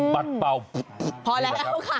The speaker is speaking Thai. ปัดเป่าพอแล้วค่ะ